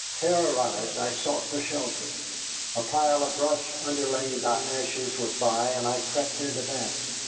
Terrorized, I sought for shelter. A pile of brush underlain by ashes was by, and I crept into that.